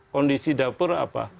kondisi dapur apa